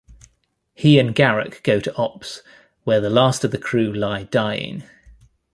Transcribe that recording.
He and Garak go to Ops, where the last of the crew lie dying.